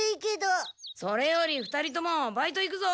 それより２人ともバイト行くぞ！